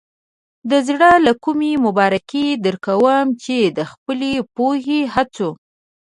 د زړۀ له کومې مبارکي درکوم چې د خپلې پوهې، هڅو.